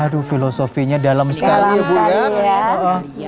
aduh filosofinya dalam sekali ya bu ya